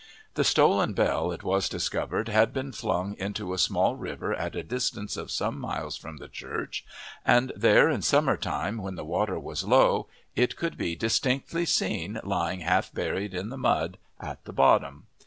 The stolen bell, it was discovered, had been flung into a small river at a distance of some miles from the church, and there in summer time, when the water was low, it could be distinctly seen lying half buried in the mud at the bottom.